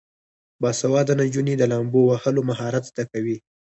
باسواده نجونې د لامبو وهلو مهارت زده کوي.